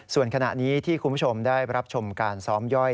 ส่วนขณะนี้ที่คุณผู้ชมได้รับชมการซ้อมย่อย